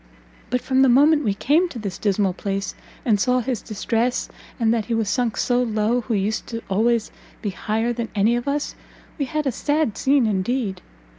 But from the moment we came to this dismal place, and saw his distress, and that he was sunk so low who used always to be higher than any of us, we had a sad scene indeed!